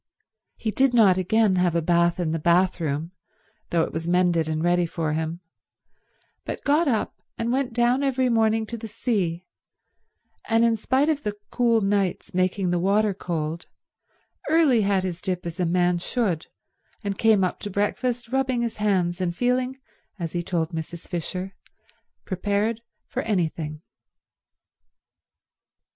He did not again have a bath in the bathroom, though it was mended and ready for him, but got up and went down every morning to the sea, and in spite of the cool nights making the water cold early had his dip as a man should, and came up to breakfast rubbing his hands and feeling, as he told Mrs. Fisher, prepared for anything.